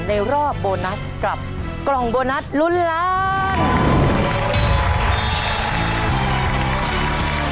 ในรอบโบนัสกับกล่องโบนัสลุ้นล้าน